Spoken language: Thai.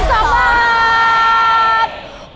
๗๒บาท